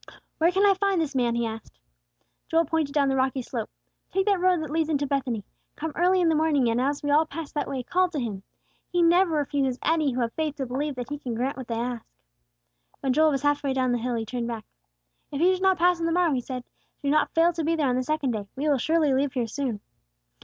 "Where can I find this man?" he asked. Joel pointed down the rocky slope. "Take that road that leads into Bethany. Come early in the morning, and as we all pass that way, call to Him. He never refuses any who have faith to believe that He can grant what they ask." When Joel was half way down the hill, he turned back. "If He should not pass on the morrow," he said, "do not fail to be there on the second day. We will surely leave here soon."